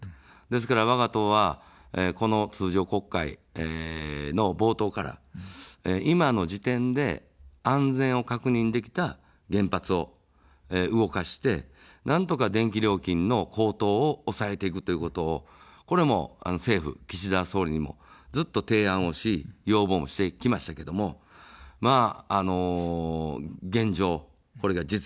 ですから、わが党はこの通常国会の冒頭から、今の時点で、安全を確認できた原発を動かして、なんとか電気料金の高騰を抑えていくということを、政府、岸田総理にもずっと提案をし、要望もしてきましたけども、現状、これが実現ができておりません。